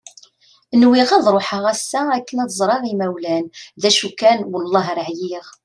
Nwiɣ ad ruḥeɣ ass-a akken ad ẓreɣ imawlan d acu kan wellah ar ɛyiɣ.